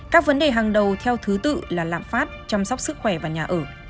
các vấn đề hàng đầu theo thứ tự là lạm phát chăm sóc sức khỏe và nhà ở